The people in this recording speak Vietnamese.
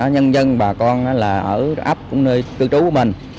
nhân dân bà con ở ấp cũng như cư trú của mình